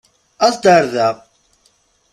Aẓ-d ar da!